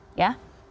hanya di texas